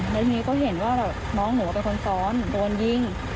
แล้วทีนี้ก็เห็นว่าน้องหนูเป็นคนซ้อนโดนยิง